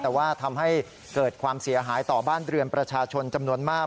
แต่ว่าทำให้เกิดความเสียหายต่อบ้านเรือนประชาชนจำนวนมาก